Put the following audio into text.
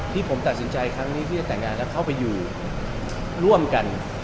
ที่ผมตัดสินใจครั้งนี้ที่จะแต่งงานแล้วเข้าไปอยู่ร่วมกัน